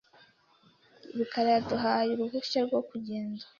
rukara yaduhaye uruhushya rwo kugenda .